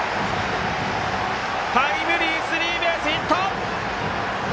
タイムリースリーベースヒット！